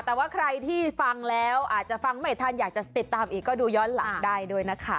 แต่ว่าใครที่ฟังแล้วอาจจะฟังไม่ทันอยากจะติดตามอีกก็ดูย้อนหลังได้ด้วยนะคะ